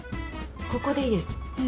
ここでいいです。